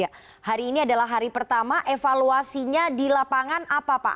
ya hari ini adalah hari pertama evaluasinya di lapangan apa pak